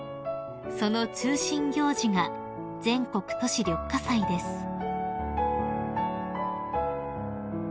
［その中心行事が全国都市緑化祭です］